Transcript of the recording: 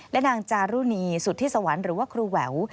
และนางจารุณีสุธิสวรรค์หรือว่าครูแหวว